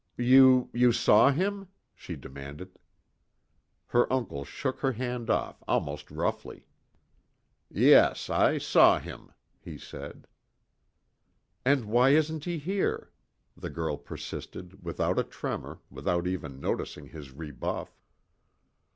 "You you saw him?" she demanded. Her uncle shook her hand off almost roughly. "Yes I saw him," he said. "And why isn't he here?" the girl persisted without a tremor, without even noticing his rebuff.